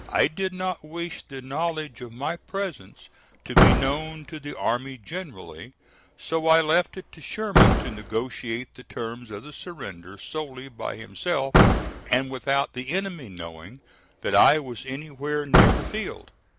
I did not wish the knowledge of my presence to be known to the army generally; so I left it to Sherman to negotiate the terms of the surrender solely by himself, and without the enemy knowing that I was anywhere near the field.